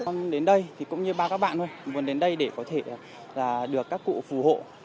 con đến đây thì cũng như bao các bạn luôn muốn đến đây để có thể được các cụ phù hộ